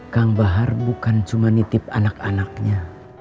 kang bahar bukan cuma nitip anak anaknya